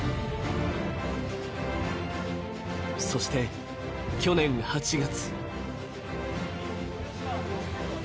そして、去年８月。